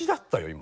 今。